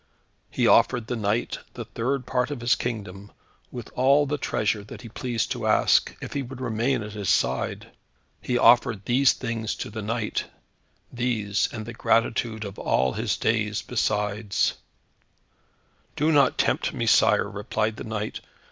He offered the knight the third part of his kingdom, with all the treasure that he pleased to ask, if he would remain at his side. He offered these things to the knight these, and the gratitude of all his days besides. "Do not tempt me, sire," replied the knight.